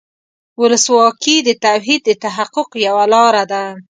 ولسواکي د توحید د تحقق یوه لاره ده.